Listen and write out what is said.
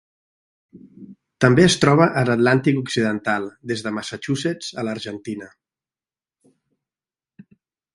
També es troba a l'Atlàntic Occidental des de Massachusetts a l'Argentina.